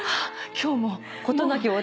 今日も事なきを毎回。